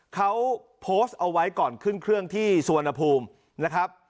เขาโพสต์เอาไว้ก่อนขึ้นเครื่องที่สุวรรณภูมินะครับ